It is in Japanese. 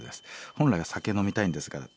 「本来は酒飲みたいんですが」だって。